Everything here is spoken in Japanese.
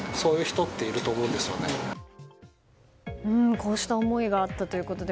こうした思いがあったということで。